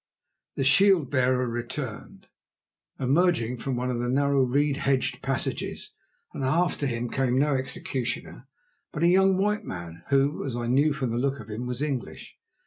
The shield bearer returned, emerging from one of the narrow, reed hedged passages, and after him came no executioner, but a young white man, who, as I knew from the look of him, was English.